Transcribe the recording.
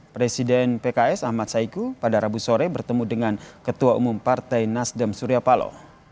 presiden pks ahmad saiku pada rabu sore bertemu dengan ketua umum partai nasdem surya paloh